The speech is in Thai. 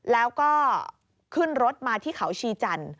แล้วก็ขึ้นรถมาที่เขาชีจันทร์